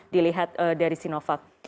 dilihat dari sinovac